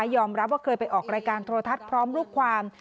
อมรับว่าเคยไปออกรายการโทรทัศน์พร้อมลูกความ